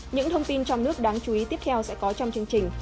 những thông tin trong nước đáng chú ý tiếp theo sẽ có trong chương trình